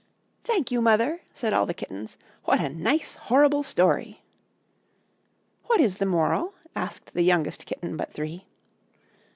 "Thank you, mother," said all the kittens; "what a nice horrible story." "What is the moral?" asked the youngest kitten but three.